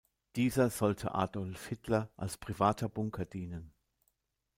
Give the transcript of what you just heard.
Dieser sollte Adolf Hitler als privater Bunker dienen.